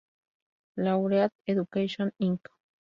Laureate Education, Inc.